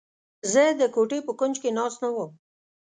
زه د کوټې په کونج کې ناست نه وم.